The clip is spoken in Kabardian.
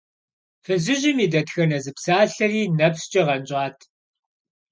Фызыжьым и дэтхэнэ зы псалъэри нэпскӀэ гъэнщӀат.